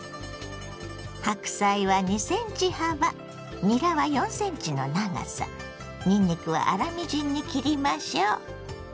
白菜は２ｃｍ幅にらは４ｃｍの長さにんにくは粗みじんに切りましょ。